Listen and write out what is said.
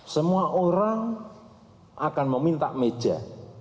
semua orang akan meminta meja